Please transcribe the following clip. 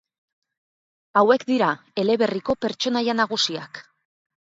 Hauek dira eleberriko pertsonaia nagusiak.